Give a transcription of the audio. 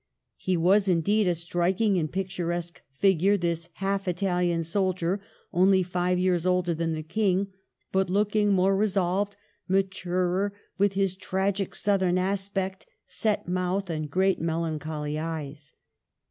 He was, indeed, a strik ing and picturesque figure, this half Itahan sol dier, only five years older than the King, but looking more resolved, maturer, with his tragic Southern aspect, set mouth, and great melan choly eyes.